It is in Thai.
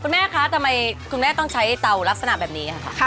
แม่คะทำไมคุณแม่ต้องใช้เตาลักษณะแบบนี้ค่ะ